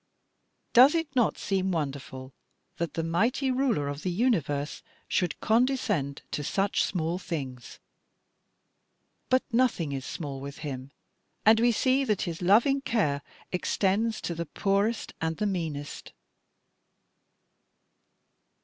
Does it not seem wonderful that the mighty Ruler of the universe should condescend to such small things? But nothing is small with him, and we see that his loving care extends to the poorest and the meanest."